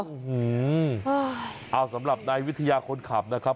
อื้อหือเอาสำหรับในวิทยาคนขับนะครับ